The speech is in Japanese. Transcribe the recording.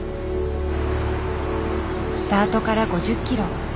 スタートから５０キロ。